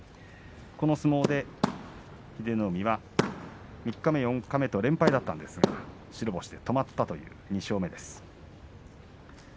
この相撲で英乃海は三日目、四日目と連敗でしたが白星が止まったという２勝目です。